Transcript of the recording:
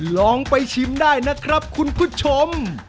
ลองไปชิมได้นะครับคุณผู้ชม